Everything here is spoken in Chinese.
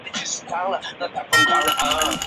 赵惠文王决定让赵奢率军救援阏与。